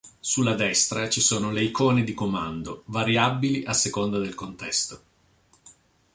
Sulla destra ci sono le icone di comando, variabili a seconda del contesto.